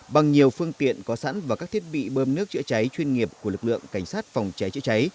bằng nhiều phương tiện có sẵn và các thiết bị bơm nước chữa cháy chuyên nghiệp của lực lượng cảnh sát phòng cháy chữa cháy